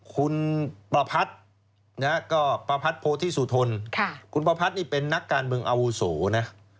คุณประพัทธ์ก็ประพัทธโพธิสุทนคุณประพัทธนี่เป็นนักการเมืองอาวุโสนะ